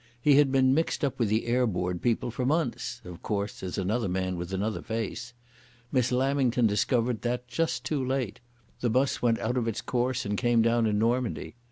He had been mixed up with the Air Board people for months—of course as another man with another face. Miss Lamington discovered that just too late. The bus went out of its course and came down in Normandy.